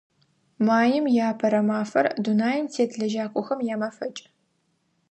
Маим и Апэрэ мафэр – дунаим тет лэжьакӀохэм ямэфэкӀ.